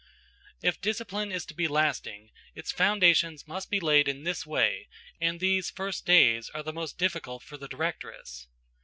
If discipline is to be lasting, its foundations must be laid in this way and these first days are the most difficult for the directress.